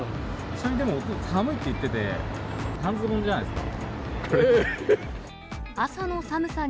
それでもお父さん、寒いって言ってて、半ズボンじゃないですか。